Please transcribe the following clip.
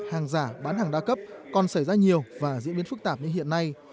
hàng giả bán hàng đa cấp còn xảy ra nhiều và diễn biến phức tạp như hiện nay